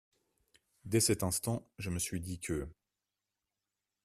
Dès cet instant, je me suis dit que.